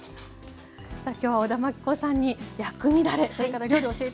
さあ今日は小田真規子さんに薬味だれそれから料理教えてもらいました。